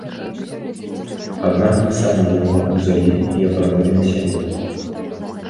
Аднак вы самі яго ўзялі і апранулі на сябе!